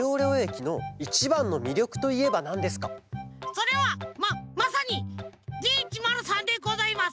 それはままさにＤ１０３でございます。